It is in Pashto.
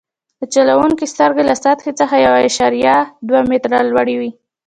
د چلوونکي سترګې له سطحې څخه یو اعشاریه دوه متره لوړې وي